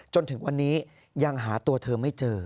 จนถึงวันนี้ยังหาตัวเธอไม่เจอ